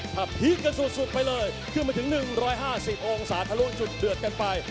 ถ้าพีคกันสุดไปเลยขึ้นมาถึง๑๕๐องศาทะลุจุดเดือดกันไป